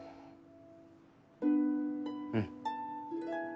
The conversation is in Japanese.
うん。